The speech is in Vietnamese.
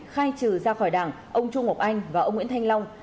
khai trừ ra khỏi đảng ông chu ngọc anh và ông nguyễn thanh long